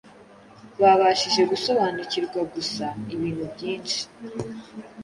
babashije gusobanukirwa gusa ibintu byinshi